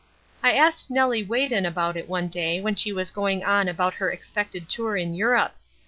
I asked Nellie Wheden about it one day when she was going on about her expected tour in Europe.